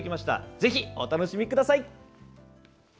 ぜひお楽しみください。